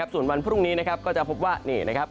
ส่วนวันพรุ่งนี้จะพบว่าเนี่ยนะครับ